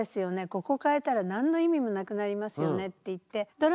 ここ変えたら何の意味もなくなりますよねって言ってプッシュ。